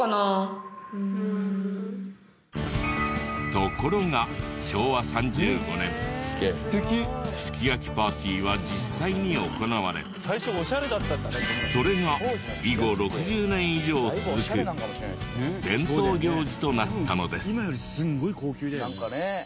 ところが昭和３５年すき焼きパーティーは実際に行われそれが以後６０年以上続く伝統行事となったのです。